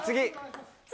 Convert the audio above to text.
次。